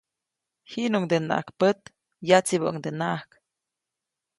Jiʼnuŋdenaʼajk pät, yatsibäʼuŋdenaʼajk.